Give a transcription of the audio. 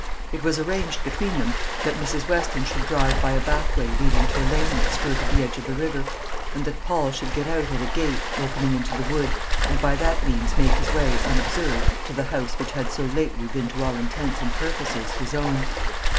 It was arranged between them that Mrs. Weston should drive by a back way leading to a lane that skirted the edge of the river, and that Paul should get out at a gate opening into the wood, and by that means make his way, unobserved, to the house which had so lately been to all intents and purposes his own.